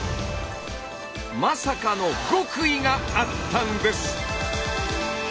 まさかの「極意」があったんです！